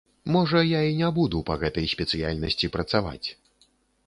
Можа, я і не буду па гэтай спецыяльнасці працаваць.